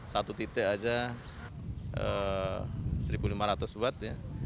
satu titik saja rp satu lima ratus buat ya